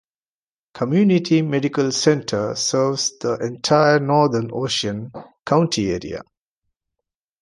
Community Medical Center serves the entire northern Ocean County area.